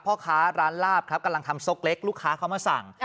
พ่อค้าร้านลาบครับกำลังทำซกเล็กลูกค้าเขามาสั่ง